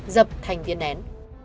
dập thành viên nén